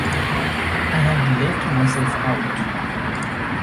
I had left myself out.